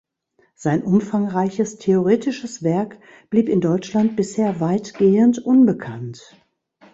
Sein umfangreiches theoretisches Werk blieb in Deutschland bisher weitgehend unbekannt.